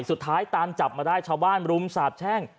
สุดท้ายตามจับมาได้ชาวบ้านรุมสาบแช่ง